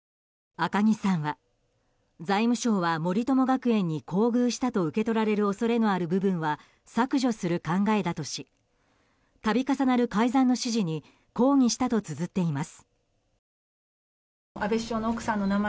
赤木さんは財務省は森友学園に厚遇したと受け取られる恐れのある部分は削除する考えだとし度重なる改ざんの指示に抗議したとつづっています。